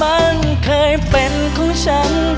มันเคยเป็นของฉัน